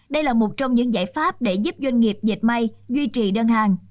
đây là một trong những giải pháp để giúp doanh nghiệp dịch may duy trì đơn hàng